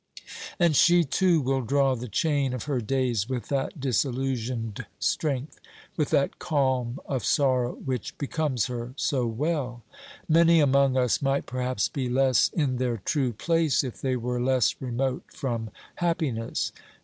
And she too will draw the chain of her days with that disillusionised strength, with that calm of sorrow which be comes her so well. Many among us might perhaps be less in their true place if they were less remote from happiness.